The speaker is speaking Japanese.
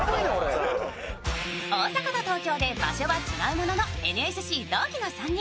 大阪と東京で場所は違うもののＮＳＣ同期の３人。